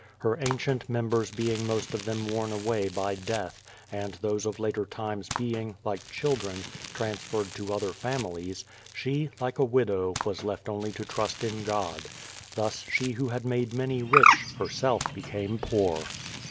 Her ancient members being most of them worn away by death, and those of later times being, like children, transferred to other families, she, like a widow, was left only to trust in God. Thus she who had made many rich, herself became poor.